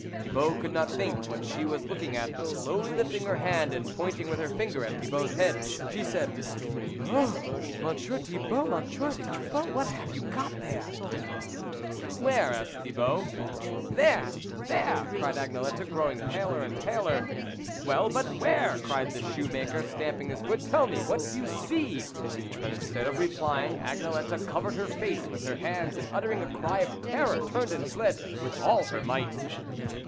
Thibault could not think what she was looking at, but slowly lifting her hand and pointing with her finger at Thibault's head, she said. " Oh ! Monsieur Thi bault, Monsieur Thibault, what have you got there ?"" Where ?" asked Thibault. " There ! there !" cried Agnelette, grow ing paler and paler. " Well, but where ?" cried the shoe maker, stamping with his foot. " Tell me what you see." But instead of replying, Agnelette covered her face with her hands, and uttering a cry of terror, turned and fled with all her might.